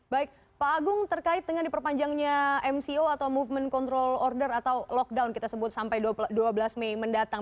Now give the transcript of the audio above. baik pak agung terkait dengan diperpanjangnya mco atau movement control order atau lockdown kita sebut sampai dua belas mei mendatang